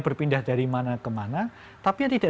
berpindah dari mana kemana tapi yang tidak